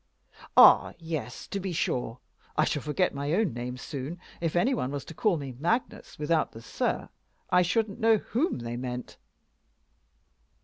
"Ah yes; to be sure. I shall forget my own name soon. If any one was to call me Magnus without the 'Sir,' I shouldn't know whom they meant."